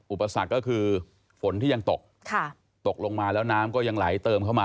อุปสรรคก็คือฝนที่ยังตกตกลงมาแล้วน้ำก็ยังไหลเติมเข้ามา